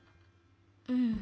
うん。